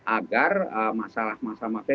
agar masalah masalah mafia